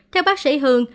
theo bác sĩ hường